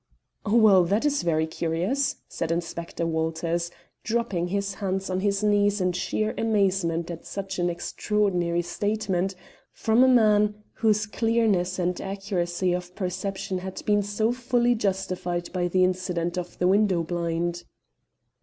"Well, that is very curious," said Inspector Walters, dropping his hands on his knees in sheer amazement at such an extraordinary statement from a man whose clearness and accuracy of perception had been so fully justified by the incident of the window blind.